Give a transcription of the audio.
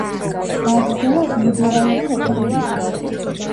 გააგრძელა ლიბერალური რეფორმების კურსი.